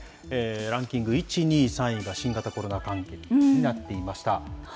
ランキング１、２、３位が新型コロナ関係になっていました。